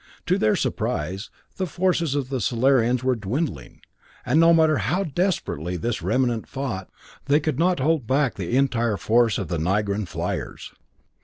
To their surprise, the forces of the Solarians were dwindling, and no matter how desperately this remnant fought, they could not hold back the entire force of the Nigran fliers.